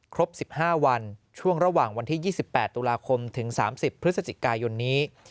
ครบ๑๕วันช่วงระหว่างวันที่๒๘ตุลาคมถึง๓๐พฤศจิกายนนี้